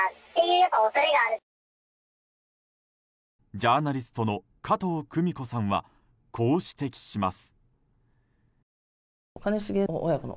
ジャーナリストの加藤久美子さんはこう指摘します。